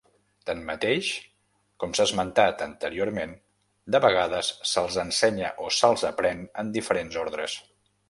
Tanmateix, com s'ha esmentat anteriorment, de vegades se'ls ensenya o se'ls aprèn en diferents ordres.